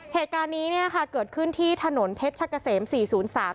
เหตุการณ์นี้เนี่ยค่ะเกิดขึ้นที่ถนนเพชรชะกะเสมสี่ศูนย์สาม